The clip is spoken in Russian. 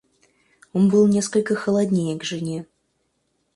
Он был несколько холоднее к жене.